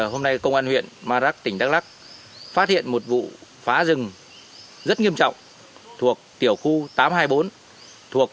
hôm nay công an huyện marak tỉnh đắk lắc phát hiện một vụ phá rừng rất nghiêm trọng thuộc tiểu khu tám trăm hai mươi bốn thuộc